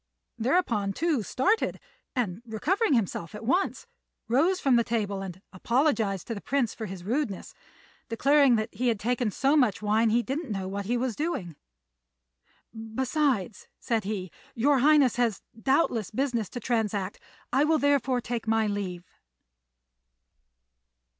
Thereupon Tou started, and, recovering himself at once, rose from the table and apologized to the Prince for his rudeness, declaring that he had taken so much wine he didn't know what he was doing. "Besides," said he, "your Highness has doubtless business to transact; I will therefore take my leave."